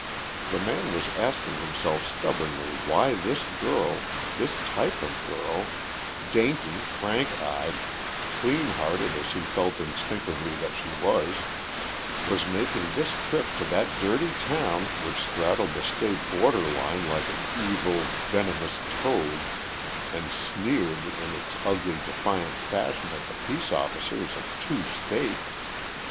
The man was asking himself stubbornly why this girl, this type of girl, dainty, frank eyed, clean hearted as he felt instinctively that she was, was making this trip to that dirty town which straddled the state border line like an evil, venomous toad and sneered in its ugly defiant fashion at the peace officers of two states.